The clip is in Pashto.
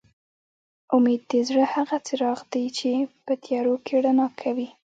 اميد د زړه هغه څراغ دي چې په تيارو کې رڼا کوي